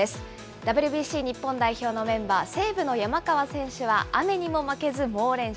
ＷＢＣ日本代表のメンバー、西武の山川選手は、雨にも負けず猛練習。